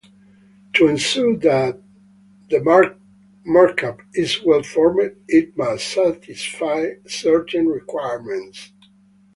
To ensure that the markup is well-formed, it must satisfy certain requirements.